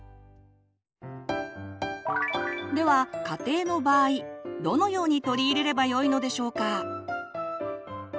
では家庭の場合どのように取り入れればよいのでしょうか？